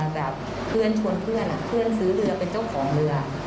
แบบเพื่อนชวนเพื่อนเพื่อนซื้อเรือเป็นเจ้าของเรือ